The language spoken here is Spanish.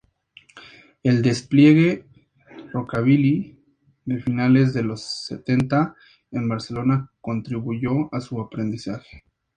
El despliegue rockabilly de finales de los setenta en Barcelona contribuyó a su aprendizaje.